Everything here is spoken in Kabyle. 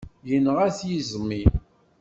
Yenɣa-t yiẓmi.